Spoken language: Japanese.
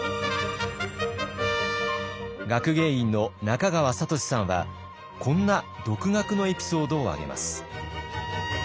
学芸員の中川里志さんはこんな独学のエピソードを挙げます。